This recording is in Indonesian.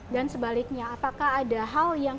dan sebaliknya apakah ada hal yang